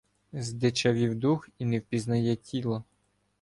Здичавів дух і не впізнає тіла